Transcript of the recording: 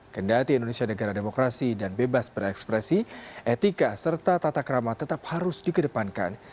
kendati indonesia negara demokrasi dan bebas berekspresi etika serta tatak rama tetap harus dikedepankan